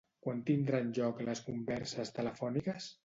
Quan tindran lloc les converses telefòniques?